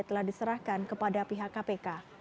telah diserahkan kepada pihak kpk